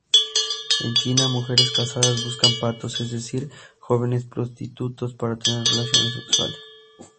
En China, mujeres casadas buscan "patos", es decir, jóvenes prostitutos para tener relaciones sexuales.